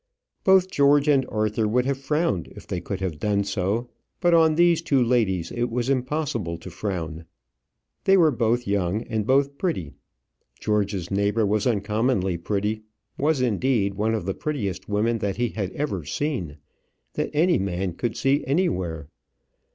Both George and Arthur would have frowned if they could have done so; but on these two ladies it was impossible to frown. They were both young, and both pretty. George's neighbour was uncommonly pretty was, indeed, one of the prettiest women that he had ever seen; that any man could see anywhere.